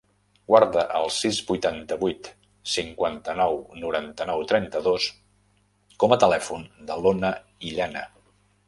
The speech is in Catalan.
Guarda el sis, vuitanta-vuit, cinquanta-nou, noranta-nou, trenta-dos com a telèfon de l'Ona Illana.